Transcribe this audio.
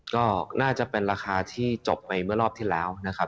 ก็น่าจะเป็นราคาที่จบไปเมื่อรอบที่แล้วนะครับ